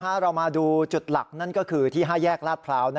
เรามาดูจุดหลักนั่นก็คือที่๕แยกลาดพร้าว